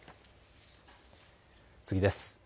次です。